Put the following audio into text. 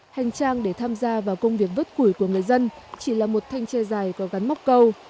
hành trang để tham gia vào công việc vớt củi của người dân chỉ là một thanh tre dài có gắn móc câu